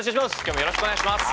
よろしくお願いします。